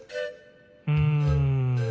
うん。